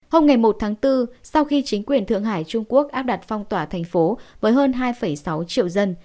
hôm ngày một tháng bốn sau khi chính quyền thượng hải trung quốc áp đặt phong tỏa thành phố với hơn hai sáu triệu dân